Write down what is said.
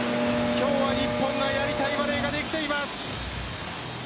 今日は日本がやりたいバレーができています。